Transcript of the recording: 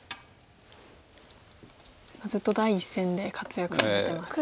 ずっと第一線で活躍されてますよね。